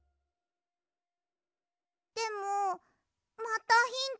でもまたヒント？